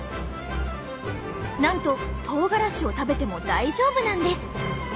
なんととうがらしを食べても大丈夫なんです！